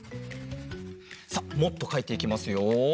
さっもっとかいていきますよ。